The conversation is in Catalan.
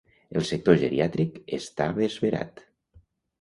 El sector geriàtric està esverat.